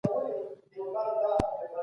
هغوی په ډېر لیوالتیا سره خپلي پروژي مخته وړي.